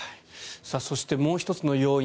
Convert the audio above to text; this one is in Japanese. そして、もう１つの要因